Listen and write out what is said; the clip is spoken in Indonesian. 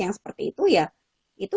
yang seperti itu ya itu